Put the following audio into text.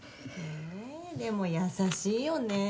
えでも優しいよねぇ。